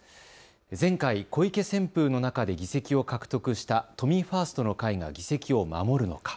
前回、小池旋風の中で議席を獲得した都民ファーストの会が議席を守るのか。